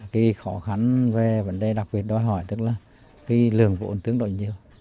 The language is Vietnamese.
cái khó khăn về vấn đề đặc biệt đòi hỏi tức là cái lượng vụn tương đối nhiều